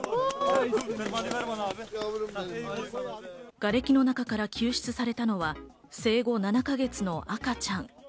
がれきの中から救出されたのは生後７か月の赤ちゃん。